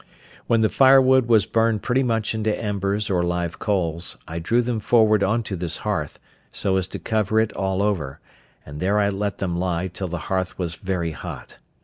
When the firewood was burned pretty much into embers or live coals, I drew them forward upon this hearth, so as to cover it all over, and there I let them lie till the hearth was very hot.